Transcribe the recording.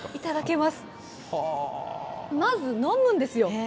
まず飲むんですよ。